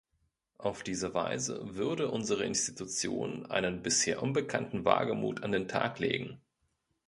Auf diese Weise würde unsere Institution einen bisher unbekannten Wagemut an den Tag legen.